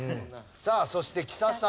さあそして木佐さんも。